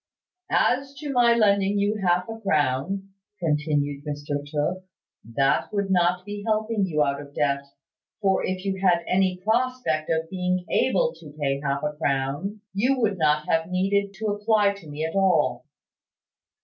"As to my lending you half a crown," continued Mr Tooke, "that would not be helping you out of debt; for if you had had any prospect of being able to pay half a crown, you would not have needed to apply to me at all."